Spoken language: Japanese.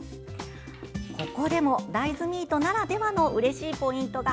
ここでも大豆ミートならではのうれしいポイントが。